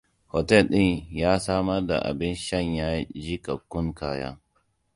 Hotel din ya samar da abin shanya jikakkun kaya.